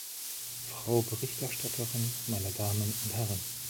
Frau Berichterstatterin, meine Damen und Herren!